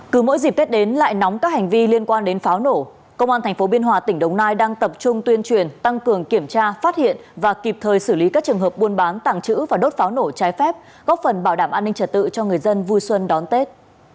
cứ mỗi dịp tết đến lại nóng các hành vi liên quan đến pháo nổ công an tp hcm đang tập trung tuyên truyền tăng cường kiểm tra phát hiện và kịp thời xử lý các trường hợp buôn bán tàng trữ và đốt pháo nổ trái phép góp phần bảo đảm an ninh trật tự cho người dân vui xuân đón tết